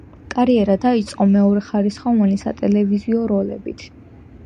კარიერა დაიწყო მეორეხარისხოვანი სატელევიზიო როლებით.